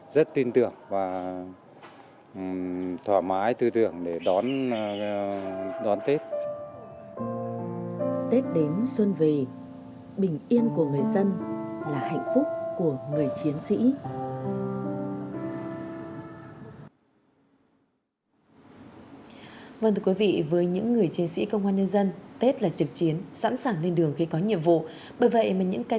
tết đến xuân về bình yên của người dân là hạnh phúc của người chiến sĩ